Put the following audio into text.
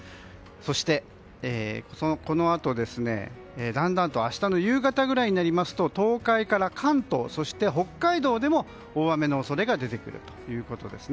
そしてこのあと、だんだんと明日の夕方くらいになりますと東海から関東、そして北海道でも大雨の恐れが出てくるということです。